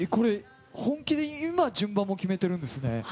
本気で今、順番も決めてるんですね。